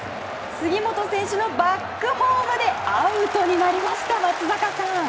杉本選手のバックホームでアウトになりました、松坂さん。